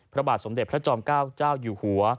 พระบาทสมเด็จพระจอมเก้าเจ้าอยู่หัว